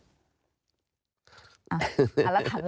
เอาท้ายรักษาขอบคุณครับ